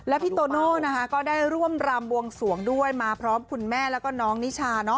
พี่โตโน่นะคะก็ได้ร่วมรำบวงสวงด้วยมาพร้อมคุณแม่แล้วก็น้องนิชา